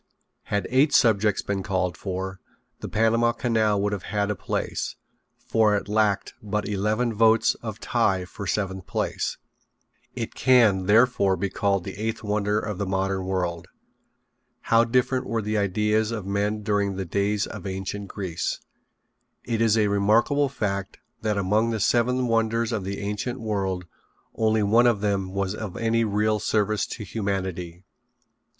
Had eight subjects been called for the Panama Canal would have had a place, for it lacked but eleven votes of tie for seventh place. It can, therefore, be called the eighth wonder of the modern world. How different were the ideas of men during the days of ancient Greece. It is a remarkable fact that among the seven wonders of the ancient world only one of them was of any real service to humanity.